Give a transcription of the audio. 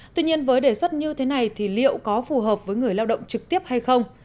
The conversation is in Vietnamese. tuy nhiên với đề xuất như thế này thì liệu có phù hợp với người lao động trực tiếp hay không